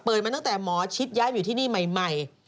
มาตั้งแต่หมอชิดย้ายอยู่ที่นี่ใหม่